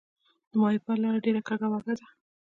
د ماهیپر لاره ډیره کږه وږه ده